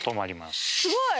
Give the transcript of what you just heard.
すごい。